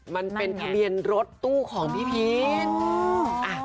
มันเป็นทะเบียนรถตู้ของพี่พีช